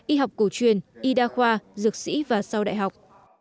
y học cổ truyền y đa khoa dược sĩ và sau đại học